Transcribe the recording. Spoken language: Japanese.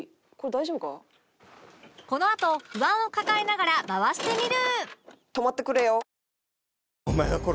このあと不安を抱えながら回してみる！